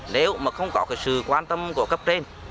nếu mà không có sự quan tâm của cấp trên